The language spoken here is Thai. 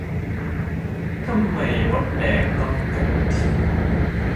ทำไมมดแดงต้องกระโดดถีบ